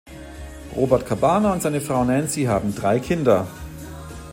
Robert Cabana und seine Frau Nancy haben drei Kinder.